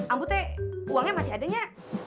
amu teh uangnya masih adanya